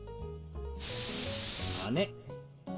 「姉」。